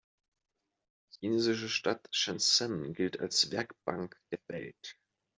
Die chinesische Stadt Shenzhen gilt als „Werkbank der Welt“.